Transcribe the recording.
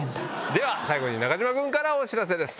では最後に中島君からお知らせです。